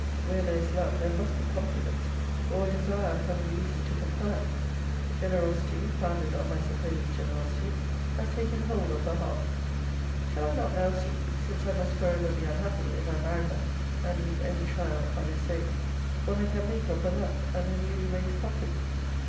Where there is love there must be confidence, or a desire of having reason to confide. Generosity, founded on my supposed generosity, has taken hold of her heart. Shall I not now see (since I must forever be unhappy, if I marry her, and leave any trial unessayed) what I can make of her love, and her newly raised confidence?